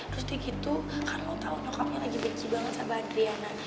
terus dia gitu karena lo tau nyokapnya lagi beci banget sama adriana